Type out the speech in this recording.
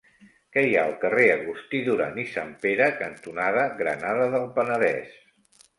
Què hi ha al carrer Agustí Duran i Sanpere cantonada Granada del Penedès?